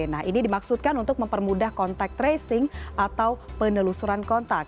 nah ini dimaksudkan untuk mempermudah kontak tracing atau penelusuran kontak